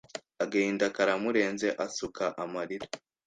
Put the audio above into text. agahinda karamurenze asuka amarira.